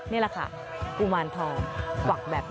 นี่แหละค่ะกุมารทองกวักแบบนี้